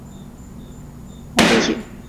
而取其跑三步跃称之为沙蒂希步。